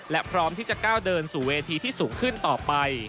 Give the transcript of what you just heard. และพร้อมที่จะก้าวเดินสู่เวทีที่สูงขึ้นต่อไป